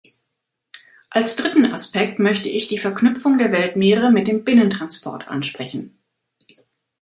Als dritten Aspekt möchte ich die Verknüpfung der Weltmeere mit dem Binnentransport ansprechen.